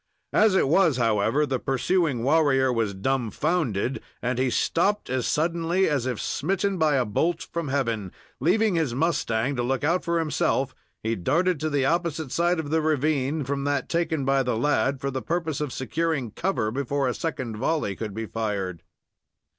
As it was, however, the pursuing warrior was dumbfounded, and he stopped as suddenly as if smitten by a bolt from heaven. Leaving his mustang to look out for himself, he darted to the opposite side of the ravine from that taken by the lad, for the purpose of securing cover before a second volley could be fired.